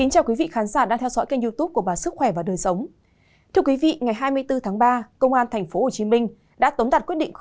hãy đăng ký kênh để ủng hộ kênh của chúng mình nhé